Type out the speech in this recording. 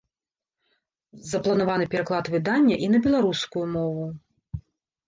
Запланаваны пераклад выдання і на беларускую мову.